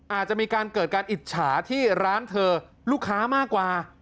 อาจจะมีการเกิดการอิจฉาที่ร้านเธอลูกค้ามากกว่า